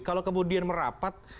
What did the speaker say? kalau kemudian merapat